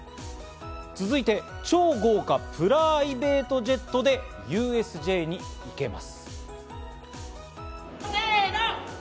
続いて、超豪華プライベートジェットでＵＳＪに行きます。